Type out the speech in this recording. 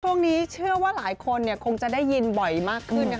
ช่วงนี้เชื่อว่าหลายคนคงจะได้ยินบ่อยมากขึ้นนะคะ